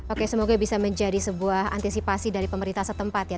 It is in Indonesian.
oke semoga bisa menjadi sebuah antisipasi dari pemerintah setempat ya